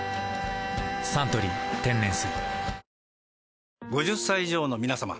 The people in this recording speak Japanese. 「サントリー天然水」